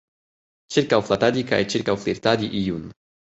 Ĉirkaŭflatadi kaj ĉirkaŭflirtadi iun.